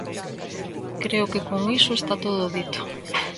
Creo que con iso está todo dito.